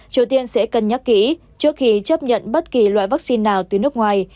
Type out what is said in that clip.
triều tiên sẽ cân nhắc kỹ trước khi chấp nhận bất kỳ loại vaccine nào từ nước ngoài